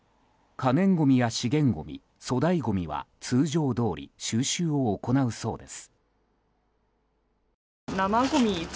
可燃ごみや資源ごみ粗大ごみは通常どおり収集を行うそうです。